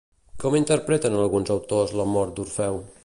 Com interpreten alguns autors la mort d'Orfeu?